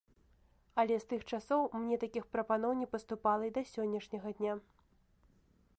Але з тых часоў мне такіх прапаноў не паступала і да сённяшняга дня.